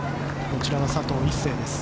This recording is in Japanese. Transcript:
こちらは、佐藤一世です。